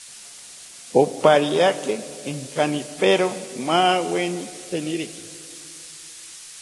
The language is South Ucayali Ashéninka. Opariaki inkanipero maaweni tziteniri